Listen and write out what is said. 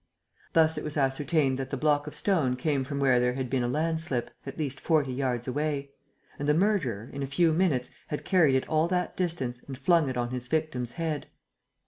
Thus it was ascertained that the block of stone came from where there had been a landslip, at least forty yards away. And the murderer, in a few minutes, had carried it all that distance and flung it on his victim's head.